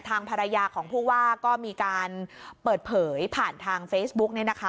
ทางภรรยาของผู้ว่าก็มีการเปิดเผยผ่านทางเฟซบุ๊กเนี่ยนะคะ